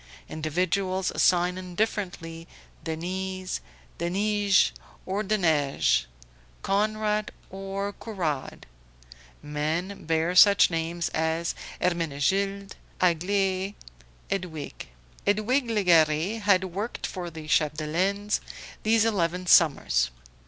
Individuals sign indifferently, Denise, Denije or Deneije; Conrad or Courade; men bear such names as Hermenegilde, Aglae, Edwige. Edwige Legare had worked for the Chapdelaines these eleven summers.